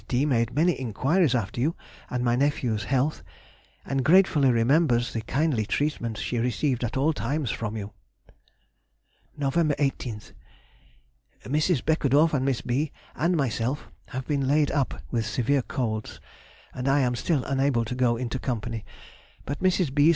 D. made many inquiries after you and my nephew's health, and gratefully remembers the kindly treatment she received at all times from you. Nov. 18th.—Mrs. Beckedorff and Miss B. and myself have been laid up with severe colds, and I am still unable to go into company, but Mrs. B.